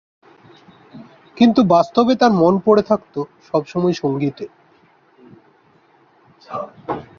কিন্তু বাস্তবে তার মন পড়ে থাকত সবসময় সঙ্গীতে।